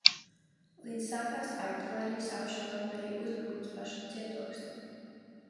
Līdz sākās artilērijas apšaude un arī uzbrukums pašam cietoksnim.